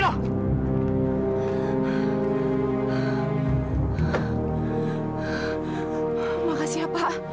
terima kasih pak